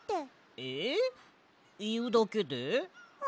えっいうだけで？